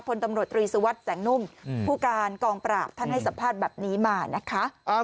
พลตำรวจตรีสุวัสดิ์แสงนุ่มผู้การกองปราบท่านให้สัมภาษณ์แบบนี้มานะคะ